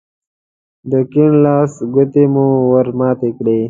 د کيڼ لاس ګوتې مو ور ماتې کړې.